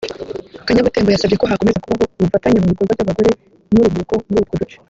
Kanyabutembo yasabye ko hakomeza kubaho ubufatanye mu bikorwa by’abagore n’urubyiruko muri utwo duce